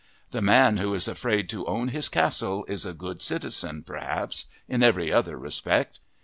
The man who is afraid to own his castle is a good citizen, perhaps, in every other respect.